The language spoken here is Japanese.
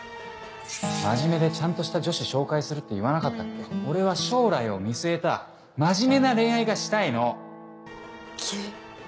真面目でちゃんとした女子紹介するっ俺は将来を見据えた真面目な恋愛がしたいゲッ。